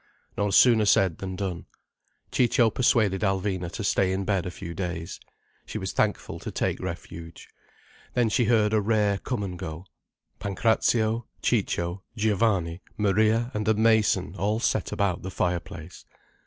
No sooner said than done. Ciccio persuaded Alvina to stay in bed a few days. She was thankful to take refuge. Then she heard a rare come and go. Pancrazio, Ciccio, Giovanni, Maria and a mason all set about the fire place.